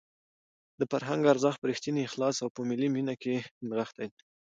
د فرهنګ ارزښت په رښتیني اخلاص او په ملي مینه کې نغښتی دی.